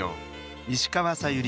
石川さゆり